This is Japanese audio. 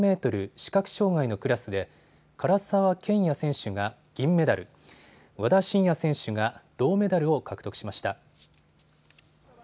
視覚障害のクラスで唐澤剣也選手が銀メダル和田伸也選手が銅メダルを獲得しました。